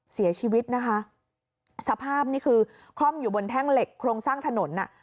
เสียชีวิตนะคะสภาพนี่คือคล่อมอยู่บนแท่งเหล็กโครงสร้างถนนอ่ะ